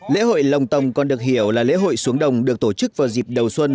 lễ hội lồng tồng còn được hiểu là lễ hội xuống đồng được tổ chức vào dịp đầu xuân